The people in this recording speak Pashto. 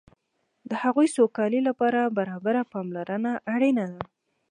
د هغوی سوکالۍ لپاره برابره پاملرنه اړینه ده.